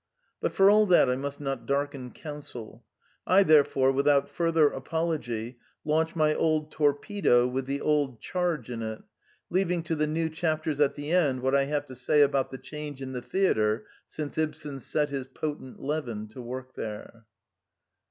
But for all that I must not darken counsel. I therefore, without further apology, launch my old torpedo with the old charge in it, leaving to the new chapters at the end what I have to say about the change in the theatre since Ibsen set his potent leaven to work there.